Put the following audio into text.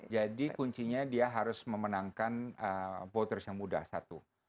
jadi kuncinya dia harus memenangkan voters yang muda satu